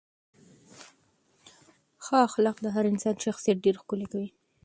ښه اخلاق د هر انسان شخصیت ډېر ښکلی کوي.